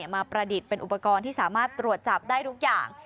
ประดิษฐ์เป็นอุปกรณ์ที่สามารถตรวจจับได้ทุกอย่าง